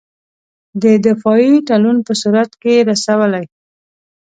د دفاعي تړون په صورت کې رسولای.